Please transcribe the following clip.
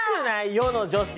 世の女子。